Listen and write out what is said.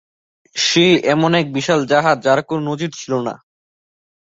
সে এমন এক বিশাল জাহাজ যার কোন নজীর ছিল না।